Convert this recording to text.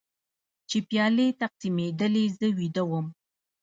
چې پیالې تقسیمېدلې زه ویده وم.